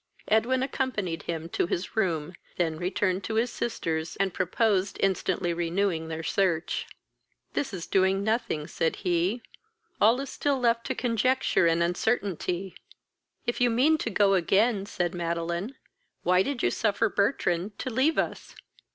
Edwin accompanied him to his room, then returned to his sister's and proposed instantly renewing their search. "This is doing nothing, (said he;) all is still left to conjecture and uncertainty." "If you mean to go again, (said Madeline,) why did you suffer Bertrand to leave us?"